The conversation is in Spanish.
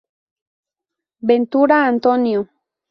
Ventura, António.